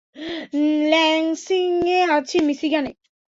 Lansing এ আছি, মিশিগানে।